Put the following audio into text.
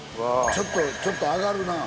ちょっとちょっとあがるなぁ。